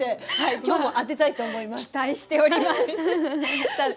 今日も当てたいと思います！